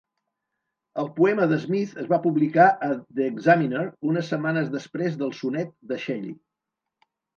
El poema de Smith es va publicar a "The Examiner", unes setmanes després del sonet de Shelley.